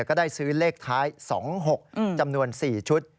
ก็ได้ซื้อเลขท้าย๒๖จำนวน๔ชุด